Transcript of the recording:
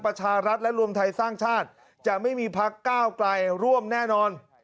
ประชารัฐและรวมไทยสร้างชาติจะไม่มีพักก้าวไกลร่วมแน่นอน